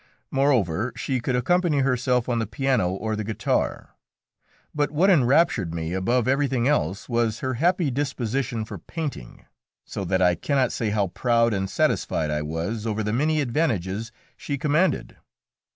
Moreover, she could accompany herself on the piano or the guitar. But what enraptured me above everything else was her happy disposition for painting, so that I cannot say how proud and satisfied I was over the many advantages she commanded.